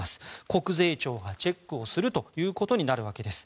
国税庁がチェックするということになるわけです。